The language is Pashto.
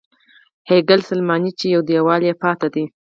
هیکل سلیماني چې یو دیوال یې پاتې دی.